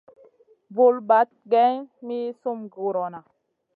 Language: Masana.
Vul bahd geyn mi sum gurona.